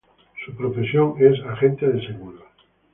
Su profesión es agente de seguros.